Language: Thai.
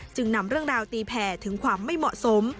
นำเรื่องราวตีแผ่ถึงความไม่เหมาะสม